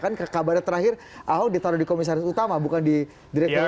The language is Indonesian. kan kabarnya terakhir ahok ditaruh di komisaris utama bukan di direktur utama